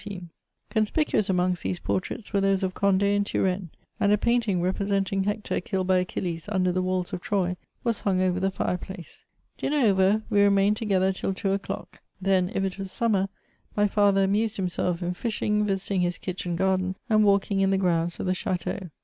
Conspicuous amongst these portraits were those of Cond^ and Turenne ; and a painting, representing Hector killed by Achilles under the walls of Troy, was hung over the fire place. Dinner over, we remained together till two o'clock ; then, if it was summer, my father amused himself in fishing, visiting his kitchen garden, and walking in the grounds of the cha teau.